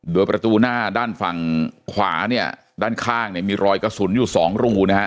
โดยประตูหน้าด้านฝั่งขวาเนี่ยด้านข้างเนี่ยมีรอยกระสุนอยู่สองรูนะฮะ